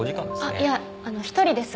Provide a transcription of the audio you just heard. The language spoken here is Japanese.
あっいやあの１人です。